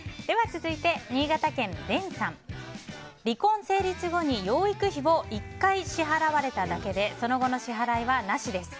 続いて、新潟県の方。離婚成立後に養育費を１回支払われただけでその後の支払いは、なしです。